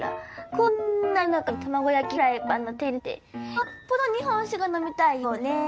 こんな夜中に卵焼きフライパンの手入れなんてよっぽど日本酒が飲みたいようだね。